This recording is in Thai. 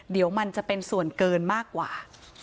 เดี๋ยวมันจะเป็นส่วนเกินมากกว่า